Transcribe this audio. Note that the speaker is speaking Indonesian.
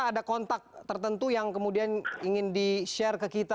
ada kontak tertentu yang kemudian ingin di share ke kita